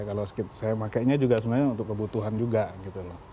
kalau saya pakainya juga sebenarnya untuk kebutuhan juga gitu loh